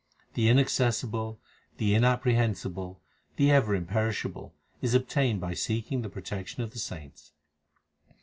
The Inaccessible, the Inapprehensible, the ever Imperish able, is obtained by seeking the protection of the saints.